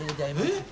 えっ？